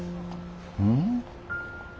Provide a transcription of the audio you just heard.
うん？